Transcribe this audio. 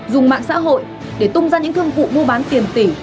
dùng mạng xã hội để tung ra những thương vụ mua bán tiền tỷ